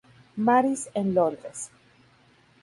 Mary's en Londres.